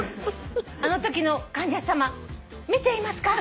「あのときの患者さま見ていますか？」